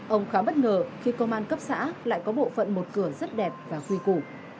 ông khá bất ngờ khi công an cấp xã lại có bộ phận một cửa rất đẹp và quy củ